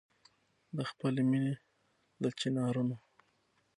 د خپلي مېني له چنارونو